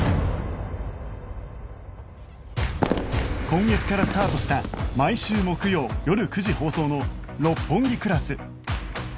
今月からスタートした毎週木曜よる９時放送の『六本木クラス』